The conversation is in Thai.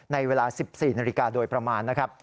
ในเวลา๑๔นาฬิกาโดยประมาณนะครับ